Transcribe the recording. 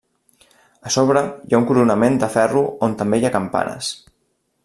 A sobre hi ha un coronament de ferro on també hi ha campanes.